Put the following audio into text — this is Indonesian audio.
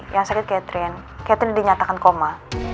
yang sakit catherine catherine dinyatakan koma